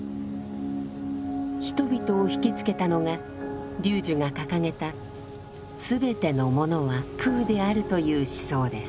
人々を惹きつけたのが龍樹が掲げた「すべてのものは空である」という思想です。